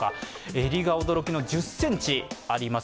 襟が驚きの１０ｃｍあります。